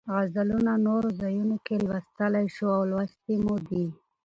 غزلونه نورو ځایونو کې لوستلی شو او لوستې مو دي.